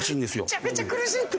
「めちゃめちゃ苦しい」って。